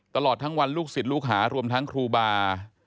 ตลอดทั้งวันลูกศิษย์ลูกหารวมทั้งครูบา